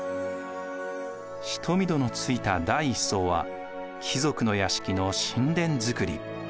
蔀戸のついた第１層は貴族の屋敷の寝殿造。